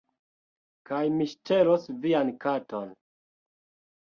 Kaj mi ŝtelos vian katon